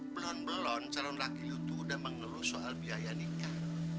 belon belon calon laki lu tuh udah mengeluh soal biaya nikah